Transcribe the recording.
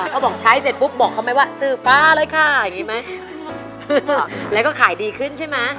เขาบอกใช้เสร็จปุ๊บบอกเขาไหมว่าซื้อฟ้าเลยค่ะอย่างนี้ไหมแล้วก็ขายดีขึ้นใช่ไหม